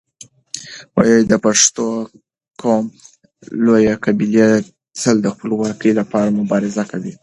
د پښتون قوم لويې قبيلې تل د خپلواکۍ لپاره مبارزه کوي.